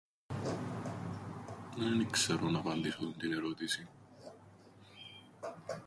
Εν ι-ξέρω να απαντήσω τούντην ερώτησην.